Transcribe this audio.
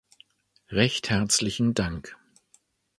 Recht herzlichen Dank.